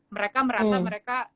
mereka merasa mereka